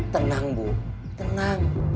tenang ibu tenang